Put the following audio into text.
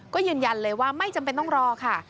ก็ยืนยันเลยว่าไม่จำเป็นต้องรอค่ะ